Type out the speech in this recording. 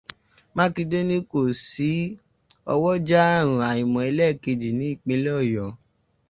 Makinde ní kò sí ọwọ́jà ààrùn àìmọ̀ ẹlẹ́ẹ̀kejì ní ìpínlẹ̀ Ọ̀yọ́.